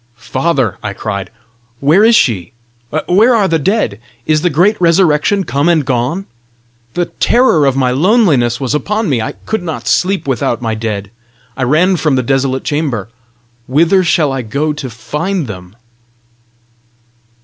"Father," I cried, "where is she? Where are the dead? Is the great resurrection come and gone? The terror of my loneliness was upon me; I could not sleep without my dead; I ran from the desolate chamber. Whither shall I go to find them?"